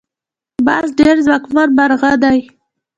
باز ډیر ځواکمن مرغه دی